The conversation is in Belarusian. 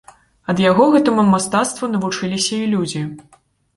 Ад яго гэтаму мастацтву навучыліся і людзі.